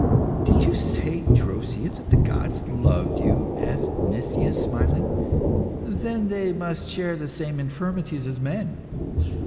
"Did you say, Drosea, that the gods loved you?" asked Nicias, smiling. "Then they must share the same infirmities as men.